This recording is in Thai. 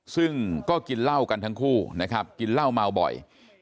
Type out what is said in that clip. ซึ่งก็กินเหล้ากันทั้งคู่นะครับกินเหล้าเมาบ่อย